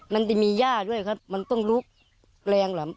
มันจะมีย่าด้วยครับมันต้องลุกแรงเหรอ